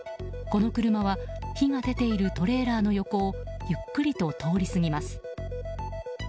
この車は火が出ているトレーラーの横をゆっくりと通り過ぎます。